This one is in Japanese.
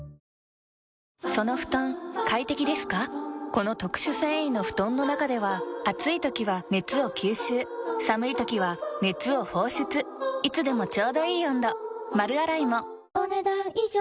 この特殊繊維の布団の中では暑い時は熱を吸収寒い時は熱を放出いつでもちょうどいい温度丸洗いもお、ねだん以上。